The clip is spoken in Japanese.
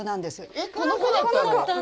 えっこの子だったの？